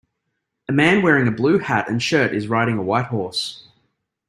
A man wearing a blue hat and shirt is riding a white horse.